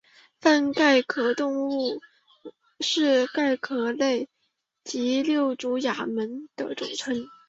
泛甲壳动物是甲壳类及六足亚门的总称。